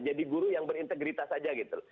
jadi guru yang berintegritas aja gitu